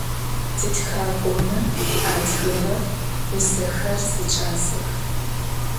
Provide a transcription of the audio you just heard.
Titxak'ome atxığe vusexer siç'asex.